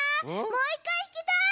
もういっかいひきたい！